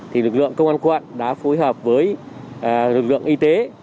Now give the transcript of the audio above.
thì lực lượng công an quận đã phối hợp với lực lượng y tế